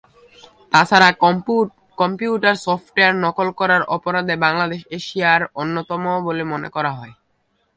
তাছাড়া computer software নকল করার অপরাধেও বাংলাদেশ এশিয়ার অন্যতম বলে মনে করা হয়।